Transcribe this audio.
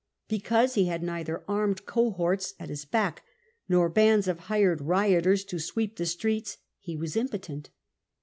Because he had neitlier armed cohorts at his hack, nor bands of hired rioters to sweep the streets he was impotent.